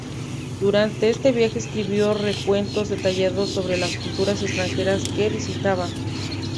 Durante este viaje escribió recuentos detallados sobre las culturas extranjeras que visitaba.